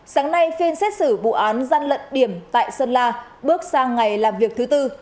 sáng nay phiên xét xử vụ án gian lận điểm tại sơn la bước sang ngày làm việc thứ tư